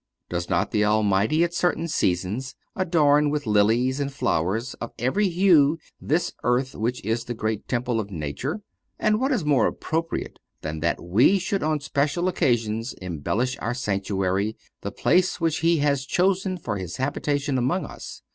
Does not the Almighty at certain seasons adorn with lilies and flowers of every hue this earth, which is the great temple of nature? And what is more appropriate than that we should on special occasions embellish our sanctuary, the place which He has chosen for His habitation among us?